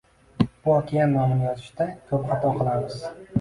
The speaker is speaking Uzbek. Bu okean nomini yozishda koʻp xato qilamiz